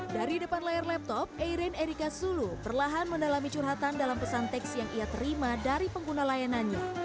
dari depan layar laptop airin erika sulu perlahan mendalami curhatan dalam pesan teks yang ia terima dari pengguna layanannya